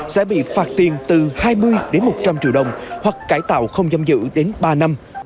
sẽ bị phạt tiền từ hai mươi đến một trăm linh triệu đồng hoặc cải tạo không giam giữ đến ba năm